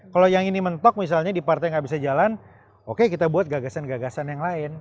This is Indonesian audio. kalau yang ini mentok misalnya di partai nggak bisa jalan oke kita buat gagasan gagasan yang lain